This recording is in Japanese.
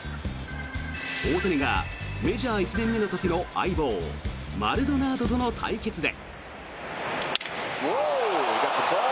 大谷がメジャー１年目の時の相棒マルドナードとの対決で。